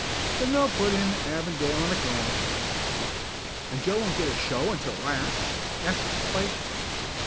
"Then they'll put in Avondale or McAnish." "And Joe won't get a show until last?" asked Spike.